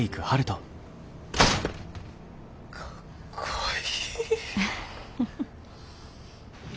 かっこいい。